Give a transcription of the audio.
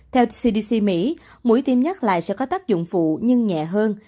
theo cdc mỹ mũi tiêm nhắc lại sẽ có tác dụng phụ nhưng nhẹ hơn